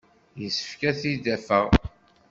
Yessefk ad t-id-afeɣ.